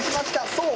そう！